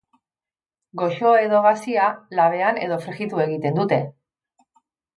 Goxo edo gazia, labean edo frijitu egiten dute.